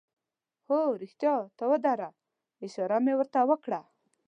هو، رښتیا ته ودره، اشاره مې ور ته وکړه.